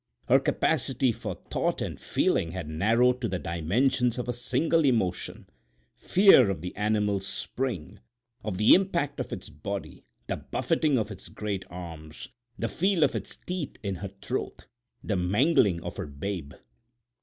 Her capacity for thought and feeling had narrowed to the dimensions of a single emotion—fear of the animal's spring, of the impact of its body, the buffeting of its great arms, the feel of its teeth in her throat, the mangling of her babe.